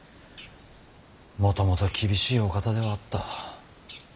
もともと厳しいお方ではあった。